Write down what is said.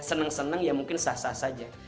seneng seneng ya mungkin sah sah saja